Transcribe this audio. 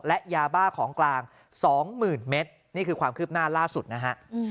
และยาบ้าของกลาง๒๐๐๐เมตรนี่คือความคืบหน้าล่าสุดนะฮะ